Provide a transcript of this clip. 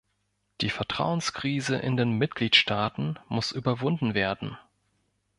Die Vertrauenskrise in den Mitgliedstaaten muss überwunden werden.